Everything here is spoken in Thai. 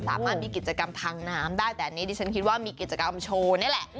สามารถมีกิจกรรมทางน้ำได้แต่อันนี้ดิฉันคิดว่ามีกิจกรรมโชว์นี่แหละ